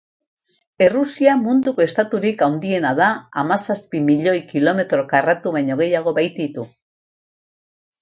Errusia munduko estaturik handiena da, hamazazpi milioi kilometro karratu baino gehiago baititu.